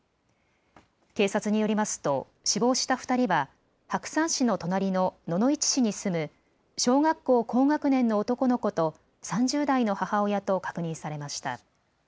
警察によりますと死亡した２人は白山市の隣の野々市市に住む小学校高学年の男の子と３０代の母親と確認されました。